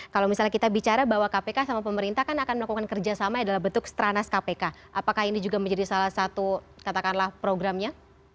kalau misalnya kita bicara bahwa kpk sama pemerintah kan akan melakukan kerjasama dalam bentuk stranas kpk apakah ini juga menjadi salah satu katakanlah programnya